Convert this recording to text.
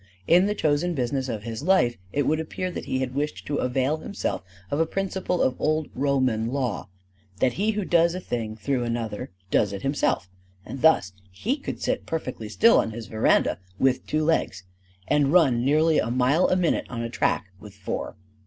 In the chosen business of his life it would appear that he had wished to avail himself of a principle of Old Roman law: that he who does a thing through another does it himself; and thus he could sit perfectly still on his veranda with two legs and run nearly a mile a minute on a track with four.